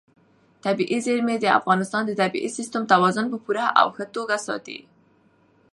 طبیعي زیرمې د افغانستان د طبعي سیسټم توازن په پوره او ښه توګه ساتي.